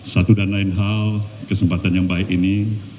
satu dan lain hal kesempatan yang baik ini